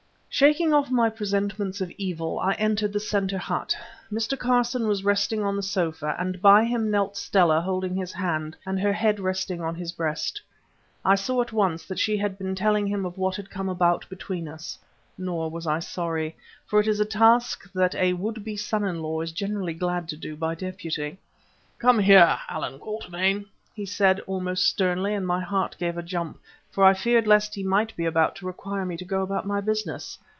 Shaking off my presentiments of evil, I entered the centre hut. Mr. Carson was resting on the sofa, and by him knelt Stella holding his hand, and her head resting on his breast. I saw at once that she had been telling him of what had come about between us; nor was I sorry, for it is a task that a would be son in law is generally glad to do by deputy. "Come here, Allan Quatermain," he said, almost sternly, and my heart gave a jump, for I feared lest he might be about to require me to go about my business.